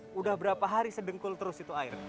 sudah berapa hari sedengkul terus itu air